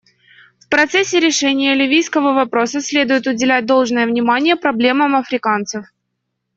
В процессе решения ливийского вопроса следует уделять должное внимание проблемам африканцев.